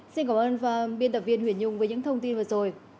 xin cảm ơn và biên tập viên huyền nhung với những thông tin vừa rồi